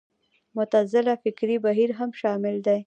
معتزله فکري بهیر هم شامل دی